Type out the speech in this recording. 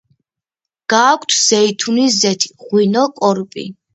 გააქვთ ზეითუნის ზეთი, ღვინო, კორპი.